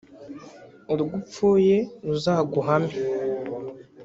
“ Urwo upfuye ruzaguhame”